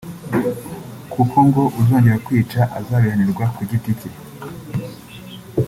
kuko ngo uzongera kwica azabihanirwa ku giti cye